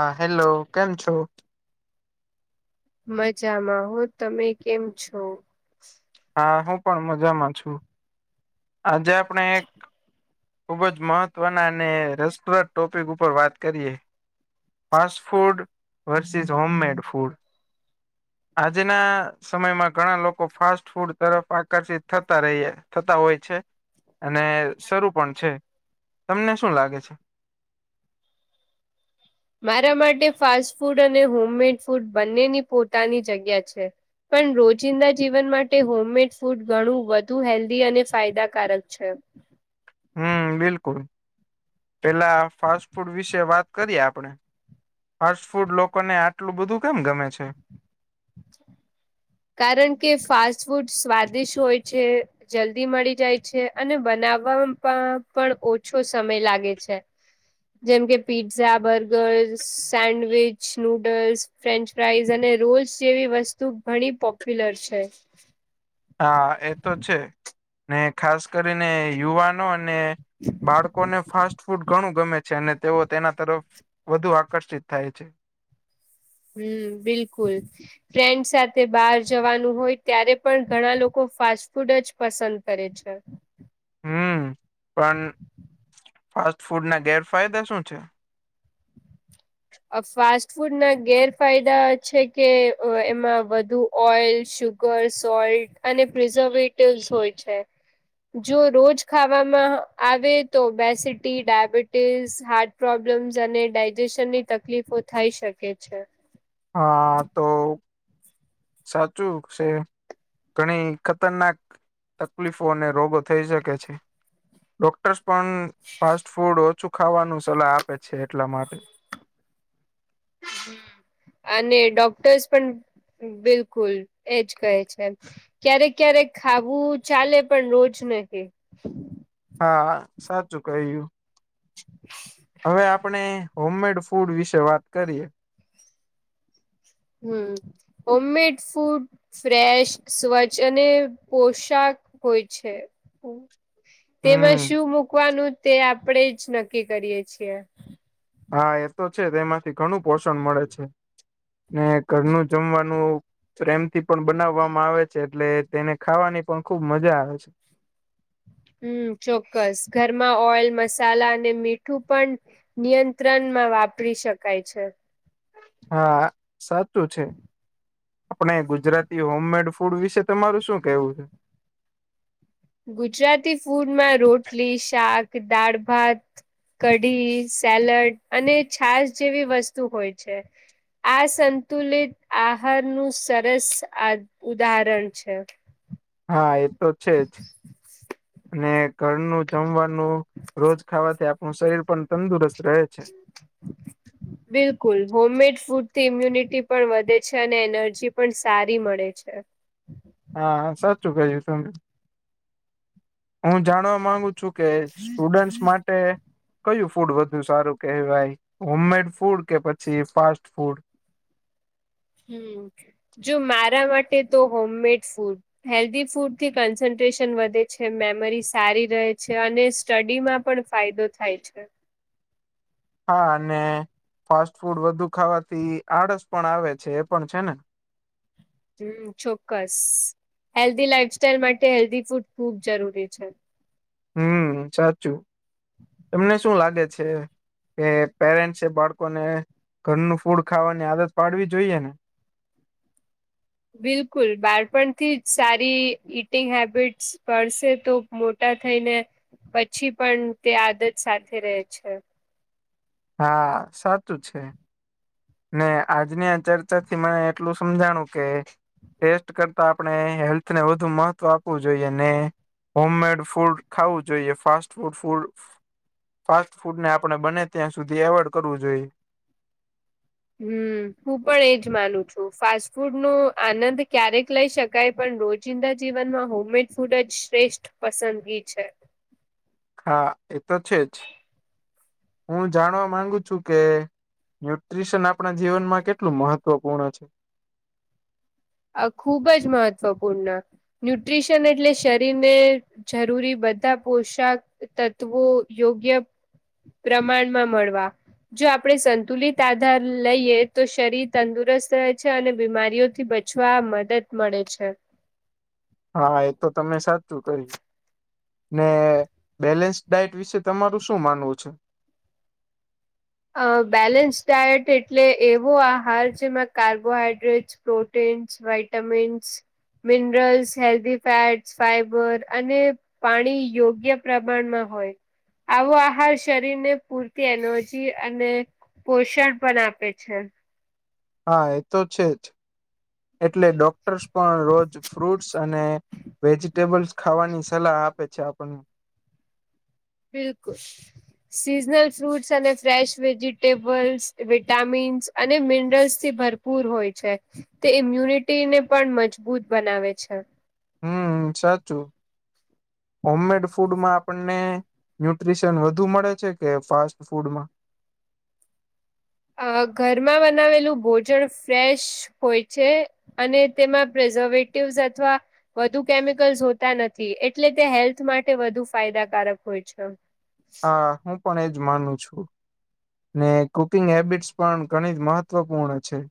હા હેલો કેમ છો મજામાં હો. તમે કેમ છો? હા હું પણ મજામાં છું. આજે આપણે એક ખુબ જ મહત્વના અને રસપ્રદ ટોપિક ઉપર વાત કરીએ. Fast food versus home made food. આજના સમયમાં ઘણા લોકો ફાસ્ટ ફૂડ તરફ આકર્ષિત થતા રહીએ થતા હોય. છે અને શરૂ પણ છે, તમને શું લાગે છે? મારા માટે ફાસ્ટ ફૂડ અને હોમમેડ ફૂડ બંનેની પોતાની જગ્યા છે. પણ રોજિંદા જીવન માટે, હોમમેડ ફૂડ ઘણું વધુ હેલ્ધી અને ફાયદાકારક છે. હમ્મ, બિલકુલ. પેલા ફાસ્ટ ફૂડ વિશે વાત કરીએ આપડે. ફાસ્ટ ફૂડ લોકોને આટલું બધું કેમ ગમે છે? કારણ કે ફાસ્ટ ફૂડ સ્વાદિષ હોય છે. જલ્દી મળી જાય છે અને બનાવવા પં પણ ઓછો સમય લાગે છે. જેમ કે, pizza, burgers, sandwich, noodles..... French fries અને રોલ્સ જેવી વસ્તુ ઘણી પોપ્યુલર છે. હા, એ તો છે ને ખાસ કરીને યુવાન નો ને બાળકો ને ફાસ્ ફૂડ ઘણું ગમે છે અને તેઓ તેના તરફ વધુ આકર્ષિત થાય છે. હમ્મ, બિલકુલ. ફ્રેન્ડ સાથે બહાર જવાનું હોય ત્યારે પણ, ઘણા લોકો ફાસ્ટ ફૂડ જ પસંદ કરે છે. હમ્મ, પન ફાસ્ટ ફૂડ ના ગેરફાયદા શું છે? ફાસ્ટ ફૂડ ના ગેરફાયદા છે કે, અ એમાં વધુ ઓઈલ સુ ગોર સોલ્ટ અને પ્રિઝર્વેટિવસ હોય છે. જો રોજ ખાવામાં આવે તો બેસીટી, ડાયાબિટીસ, હાટ પ્રોબ્લેમ્સ અને ડાયજેશનની તકલીફો થાઈ શકે છે. હા, તો સાચું ક્સે. ઘણી ખતરનાક તકલીફો અને રોગો થઈ શકે છે. ડોક્ટર્સ પણ ફાસ્ટ ફૂડ ઓછું ખાવાનું સલાહ આપે છે, એટલા માટે. હમ્મ, અને ડોક્ટર્સ પન બિલકુલ એજ કહે છે. ક્યારેક-ક્યારેક ખાવું ચાલે પણ રોજ નહી. હાથ, સાચું કહયું. હવે આપણે હોમમેડ ફૂડ વિશે વાત કરીએ. હમ્મ, હોમમેડ ફૂડ ફ્રેશ, સ્વચ્છ અને પોશક હોય છે. તેમાં હમ શું મુકવાનું તે, આપણેે જ નક્કી કરીયે છીએ. હા એ તો છે, તે માંથી ઘણું પોષણ મળે છે ને ઘરનું જમવાનું પ્રેમથી પણ બનાવવામાં આવે છે એટલે તેને ખાવાની પણ ખુબ મજા આવે છે. હમ્મ, ચોક્કસ. ઘરમાં ઓઇલ, મસાલા અને મીઠું પન નિયંત્રનમાં વાપરી શકાય છે. હાઆ, સાચું છે. આપણે ગુજરાતી હોમમેડ ફૂડ વિશે તમારું શું કેવું છે? ગુજરાતી ફૂડમાં રોટલી, શાક, દાળ-ભાત.... કઢી, સેલડ અને છાસ જેવી વસ્તુ હોય છે. આ સંતુલિત આહાર નું સરસ આ ઉદારણ છે. હા, એ તો છે જ ને ઘરનું જમવાનું રોજ ખાવાથી આપણું શરીર પણ તંદુરસ્ત રહે છે. [inaudible] બિલકુલ હોમમેડ ફૂડ થી ઇમ્યુનિટી પણ વધે છે, અને એનર્જી પણ સારી મળે છે. હા સાચું કહ્યું તમે, હું જાણવા માંગુ છું.? કે સ્ટુડન્ટસ માટે કયું ફૂડ વધુ સારું કહેવાય, હોમમેડ ફૂડ કે, પછી ફાસ્ટ ફૂડ, હમ જો મારા માટે તો હોમમેડ ફૂડ. હેલ્ધી ફૂડથી કન્સન્ટ્રેશન વધે છે મેમરી સારી રહે છે અને સ્ટડી માં પણ ફાયદો થાય છે. હા અને ફાસ્ટ ફૂડ વધુ ખાવાથી આળસ પણ આવે છે એ પણ છે ને, હમ ચોક્કસ, હેલ્ધી લાઈફસ્ટાઈલ માટે હેલ્ધી ફૂડ ખુબ જરૂરી છે. હમ સાચું, તમને શું લાગે છે? કે પેરેન્ટસ એ બાળકોને ઘરનું ફૂડ ખાવાની આદત પાડવી જોઈએ ને. બિલકુલ બાળપણથી જ સારી ઈટિંગ હેબિટ્સ પડશે તો મોટા થઈને પછી પણ તે આદત સાથે રહે છે. હા સાચું છે. ને આજની આ ચર્ચા થી મને એટલું સમજાણું કે ટેસ્ટ કરતા આપણે હેલ્થને વધુ મહત્વ જોઈએ ને હોમમેડ ફુડ ખાવું જોઈએ ફાસ્ટ નુ ફૂડ. ફાસ્ટ ફૂડ ને આપણે બને ત્યાં સુધી એવોઇડ કરવું જોઈએ હમ હું પણ એજ માનું છું ફાસ્ટ ફૂડ નો આનંદ ક્યારેક લઈ શક કઈ પણ રોજિંદા જીવનમાં હોમમેડ ફૂડ જ શ્રેષ્ઠ પસંદગી છે. હા એ તો છે જ હું જાણવા માંગુ છું કે? ન્યુટ્રીશન આપણા જીવનમાં કેટલું મહત્વપૂર્ણ છે.? આ ખુબ જ મહત્વપૂર્ણ. ન્યુટ્રીશન એટલે શરીરને જરૂરી બધા પોશાક તત્વો યોગ્ય પ્રમાણ મા મળવા. જો આપણે સંતુલિત આધાર લઈએ તો શરીર તંદુરસ્ત રહે છે અને બીમારીઓથી બચે છવા મદદ મળે છે. હા એ તો તમે સાચું કહ્યુ. ને બેલેન્સ ડાયટ વિશે તમારું શું માનવું છે? અ બેલેન્સ ડાયટ એટલે એવો આહાર જેમાં carbohydrate proteins, vitamins minerals, healthy fats, fibre અને પાણી યોગ્ય પ્રમાણમાં હોય, આવો આહાર શરીરને પૂરતી એનર્જ -જી અને પોષણ પણ આપે છે. એ તો છે જ, એટલે ડોક્ટર્સ પણ ફ્રૂટ્સ અને વેજીટેબલ્સ ખાવાની સલાહ આપે છે આપણને, બિલકુલ, સીઝનલ ફ્રૂટસ અને ફ્રેશ વેજીટેબલ્સ, વિટામીન્સ અને મિનરલ્સથી ભર -પૂર હોય છે તે ઇમ્યુનિટીને પણ મજબૂત બનાવે છે. હમ્મ સાચું. હોમમેડ ફૂડમાં આપણને ન્યુટ્રીશન વધુ મળે છે કે ફાસ્ટફૂડમાં,? અ ઘરમાં બનાવેલું ભોજન ફ્રેશ હોય છે. અને તેમાં પ્રિઝર્વેટિવસ અથવા વધુ કેમિકલ્સ હોતા નથી, એટલે તે હેલ્થ માટે વધુ ફાયદાકારક હોય છે. હા હું પણ એજ માનું છું. ને કુકિંગ હેબિટસ પણ ઘણી જ મહત્વપૂર્ણ છે.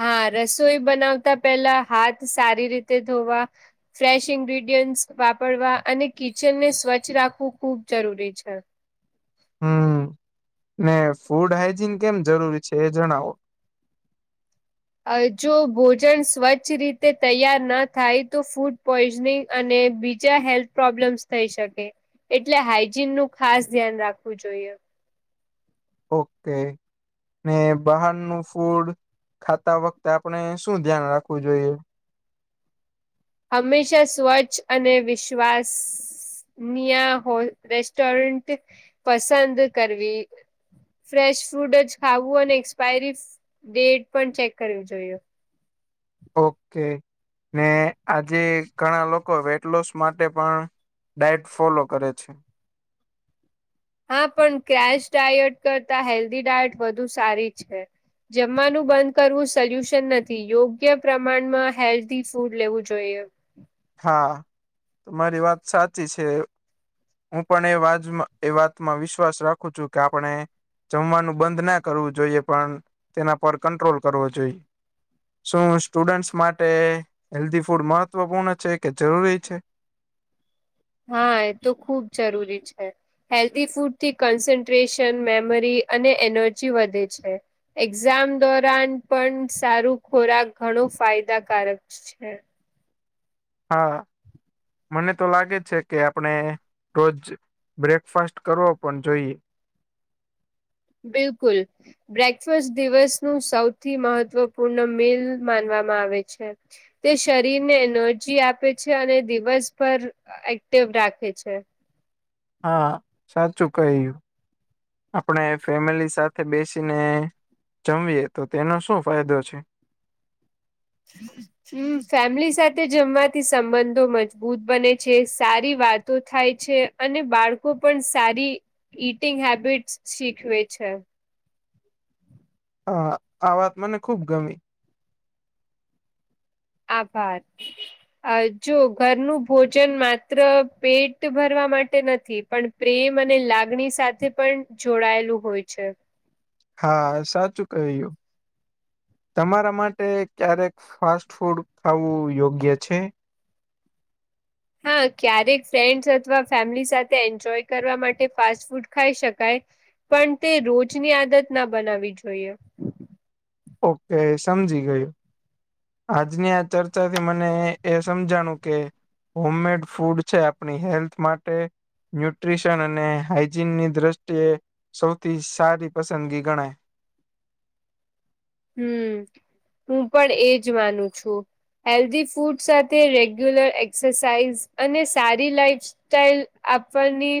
હા રસોઈ બનાવતા પેલા હાથ સારી રીતે ધોવા ફ્રેશ ઇન્ગ્રીડિયન્ટ વાપરવા અને કિચનને સ્વસ્છ રાખવું ખુબ જરૂરી છે. હમ્મ ને ફૂડ હાઈજીન કેમ જરૂરી છે એ જણાવો? અ જો ભોજન સ્વચ્છ રીતે તૈયાર ના થાય તો ફૂડ પોઈઝનિંગ અને બીજા હેલ્થ પ્રોબ્લેમ્સ થઈ શકે, એટલે હાજીનનું ખાસ ધ્યાન રાખવું જોઈએ. ઓકે ને બહારનું ફૂડ ખાતા વખતે આપણે શું ધ્યાન રાખવું જોઈએ. હંમેશા સ્વચ્છ અને વિશ્વાસ અયા હોટ રેસ્ટોરન્ટ પસંદ કરવી. ફ્રેશ ફૂડ જ ખાવું અને એક્સપાયરી ડેટ પણ ચેક કરવી જોઈએ. ઓકે ને આજે ઘણા લોકો વેટલોસ માટે પણ ડાયટ ફોલો કરે છે. હા પણ કેશ ડાયટ કરતા હેલ્ધી ડાયટ વધુ સારી છે. જમવાનું બંધ કરવું સોલ્યુશન નથી, યોગ્ય પ્રમાણમાં હેલ્ધી ફૂડ લેવું જોઈએ. હા તમારી વાત સાચી છે. હું પણ એ વાતમાં એ વાતમાં વિશ્વાસ રાખું છું કે આપણે જમવાનું બંધ ના કરવું જોઈએ પણ તેના પર કંટ્રોલ કરવો જોઈએ. શું સ્ટુડન્ટ્સ માટે હેલ્ધી ફૂડ મહત્વપૂર્ણ છે કે જરૂરી છે.? હા એ તો ખુબ જરૂરી છે. હેલ્ધી ફૂડથી કન્સન્ટ્રેશન મેમરી અને એનર્જી વધે છે. એક્ઝામ દોરાન પણ સારું ખોરાક ઘણો ફાયદાકારક છે. હા મને તો લાગે છે કે આપણે રોજ બ્રેકફાસ્ટ કરવો પણ જોઈએ. બિલકુલ, બ્રેકફાસ દિવસનું સૌથી મહત્વપૂર્ણ મિલ માનવામાં આવે છે. તે શરીરને એનર્જી આપે છે અને દિવસભર એક્ટિવ રાખે છે. હા સાચું કહ્યું. આપણે ફેમિલી સાથે બેસીને જમીએ તો તેનો શું ફાયદો છે. [inaudible] હમ્મ ફેમિલી સાથે જમવાથી સંબંધો મજબૂત બને છે, સારી વાતો થાય છે. અને બાળકો પણ સારી ઈટિંગ હેબિટસ શીખવે છે. હ આ વાત મને ખુબ ગમી. આભાર અ જો ઘરનું ભોજન માત્ર પેટ ભરવા માટે નથી પણ પ્રેમ અને લાગણી સાથે જોડાયેલું હોય છે. હા સાચું કહ્યુ. તમારા માટે ક્યારેક ફાસ્ટ ફૂડ ખાવું યોગ્ય છે? હા ક્યારેક ફ્રેન્ડસ અથવા ફેમિલી સાથે એન્જોય કરવા માટે ફાસ્ટ ફૂડ ખાઈ શકાય. પણ તે રોજની આદત ના બનાવી જોઈએ. ઓકે સમજી ગયો. આજની આ ચર્ચાથી મને એ સમજાણું કે હોમમેડ ફૂડ છે આપણી હેલ્થ માટે ન્યુટ્રીશન અને હાઈજીનની દ્રષ્ટિએ સૌથી સારી પસંદગી ગણાય. હમ હું પણ એજ માનું છું. હેલ્ધી ફૂડ સાથે રેગ્યુલર એક્સરસાઇઝ અને સારી લાઈટ.... લાઈફ સ્ટાઈલ આપણની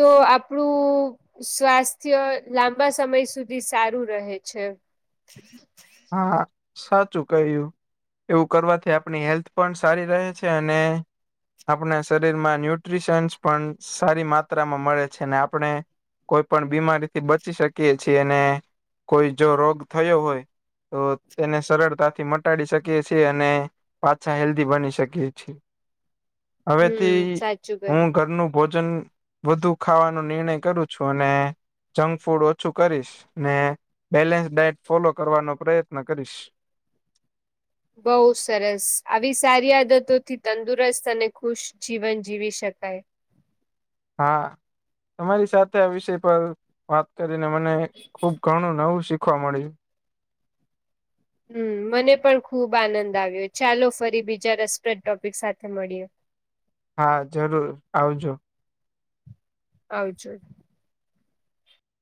તો આપડું! સ્વાસ્થ્ય લાંબા સમય સુધી સારું રહે છે. હ હા હા સાચું કહ્યું. એવું કરવાથી આપણી હેલ્થ પણ સારી છે, અને... આપણા શરીરમાં ન્યુટ્રીશન્સ પણ સારી માત્રામાં મળે છે. ને આપણે.... કોઈ પણ બીમારીથી બચી શકીએ છીએ. અને કોઈ જો રોગ થયો હોય! તો તેને સરળતાથી મટાડી શકીએ છીએ, અને.... પાછા હેલ્ધી બની શકીએ છીએ. હમ હવેથી સાચું કહ્યું હું ઘરનું ભોજન..... વધુ ખાવાનો નિર્ણય કરું છું અને..... જંક ફૂડ ઓછું કરીશ ને બેલેન્સ ડાયટ ફોલો કરવાનો પ્રયત્ન કરીશ. બહુ સરસ આવી સારી આદતો થી તંદુરસ્ત અને ખુશ જીવન જીવી શકાય. હા તમારી સાથે આ વિષય પર વાત.... કરીને મને ખુબ ઘણું નવું શીખવા મળ્યું. હમ મને પણ ખુબ આનંદ આવ્યો. ચાલો ફરી બીજા રસપ્રદ ટોપિક સાથે મળીએ. હા જરૂર. આવજો. આવજો.